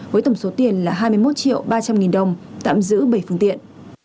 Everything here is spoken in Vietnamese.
với tổng số tiền là hai mươi một triệu ba trăm linh nghìn đồng tạm giữ bảy phương tiện